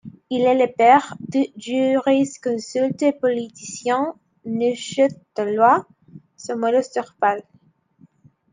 Il est le père du jurisconsulte et politicien neuchâtelois Samuel Ostervald.